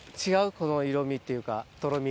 この色みっていうかとろみ。